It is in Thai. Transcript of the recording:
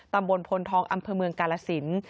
ตำบลพลทองอำเภอเมืองกาลสิน